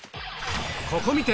ここ観て！